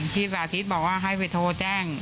สาธิตบอกว่าให้ไปโทรแจ้ง